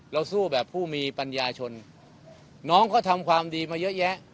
สู้แบบผู้มีปัญญาชนน้องก็ทำความดีมาเยอะแยะ